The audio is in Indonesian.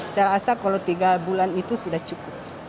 saya rasa kalau tiga bulan itu sudah cukup